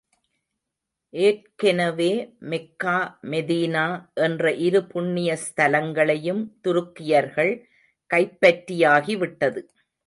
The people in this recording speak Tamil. ஏற்கெனவே மெக்கா மெதினா என்ற இரு புண்ணிய ஸ்தலங்களையும் துருக்கியர்கள் கைப் பற்றியாகி விட்டது.